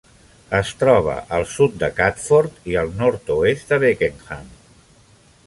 Es troba al sud de Catford i al nord-oest de Beckenham.